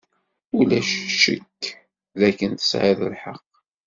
Ulac ccek dakken tesɛiḍ lḥeqq.